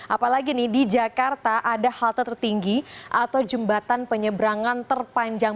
apalagi nih di jakarta ada halte tertinggi atau jembatan penyeberangan terpanjang